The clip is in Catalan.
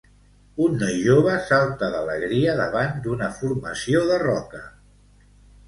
Un noi jove salta d'alegria davant d'una formació de roca